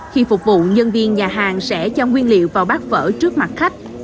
khi phục vụ nhân viên nhà hàng sẽ cho nguyên liệu vào bát phở trước mặt khách